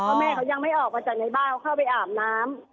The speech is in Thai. เพราะแม่เขายังไม่ออกมาจากในบ้านเขาเข้าไปอาบน้ำ